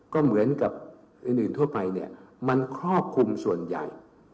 ก็เหมือนกับอื่นทั่วไปเนี่ยมันครอบคลุมส่วนใหญ่